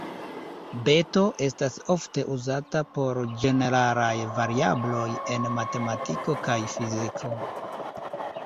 Beto estas ofte uzata por ĝeneralaj variabloj en matematiko kaj fiziko.